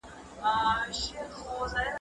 خوندي چاپېريال د کور نظم ساتي.